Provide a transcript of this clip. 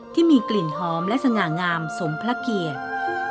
ที่มีกลิ่นหอมและสง่างามสมพระเกียรติ